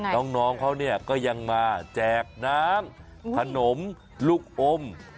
น้องเขาเนี่ยก็ยังมาแจกน้ำขนมลูกอม